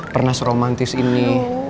pernah seromantis ini